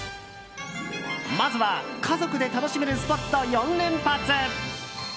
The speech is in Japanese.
まずは家族で楽しめるスポット４連発。